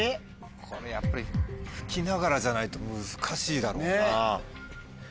これやっぱり吹きながらじゃないと難しいだろうなぁ。